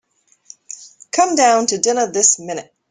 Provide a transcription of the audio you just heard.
Come down to dinner this minute.